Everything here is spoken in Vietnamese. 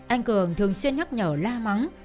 anh cường thường xuyên nhấp nhở la mắng